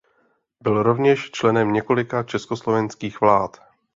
Byl rovněž členem několika československých vlád.